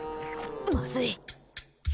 まずい！